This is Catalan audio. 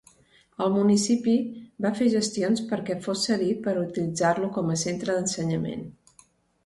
El municipi va fer gestions perquè fos cedit per utilitzar-lo com a centre d'ensenyament.